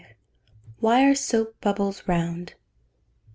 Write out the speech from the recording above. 825. _Why are soap bubbles round?